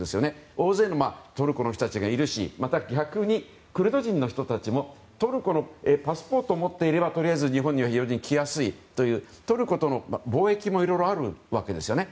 大勢のトルコの人たちがいるし逆にクルド人の人たちもトルコのパスポートを持っていれば日本に来やすいというトルコとの貿易もいろいろあるわけですよね。